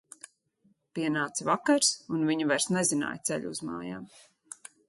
Pienāca vakars, un viņa vairs nezināja ceļu uz mājām.